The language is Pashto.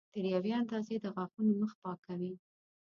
تر یوې اندازې د غاښونو مخ پاکوي.